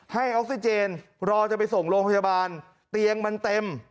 ให้ออกซิเจนรอจะไปส่งโรงพยาบาลเตียงมันเต็ม